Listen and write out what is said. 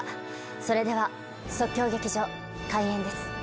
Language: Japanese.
それでは即興劇場開演です。